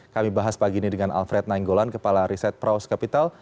kami bahas pagi ini dengan alfred nainggolan kepala riset praus capital